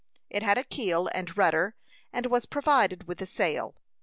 It had a keel and rudder, and was provided with a sail.